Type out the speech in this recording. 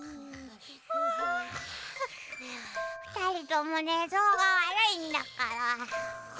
はあふたりともねぞうがわるいんだから。